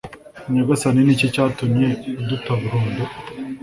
Nyagasani ni iki cyatumye uduta burundu?